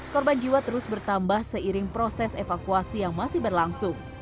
korban jiwa terus bertambah seiring proses evakuasi yang masih berlangsung